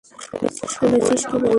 শুনেছিস কি বললাম?